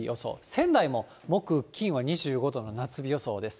仙台も木、金は２５度の夏日予想です。